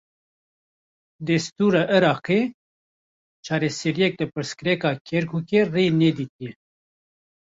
Destûra Iraqê, çareseriyek ji pirsgirêka Kerkûkê re nedîtiye